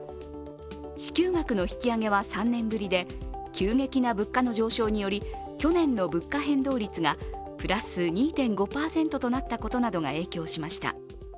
支給額の引き上げは３年ぶりで、急激な物価の上昇により去年の物価変動率がプラス２．５％となったことなどが影響しました。